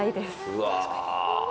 うわ。